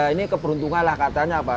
ini keberuntungan lah katanya